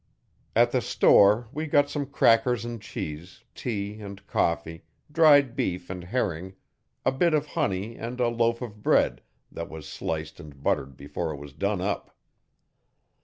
At the store we got some crackers and cheese, tea and coffee, dried beef and herring, a bit of honey and a loaf of bread that was sliced and buttered before it was done up.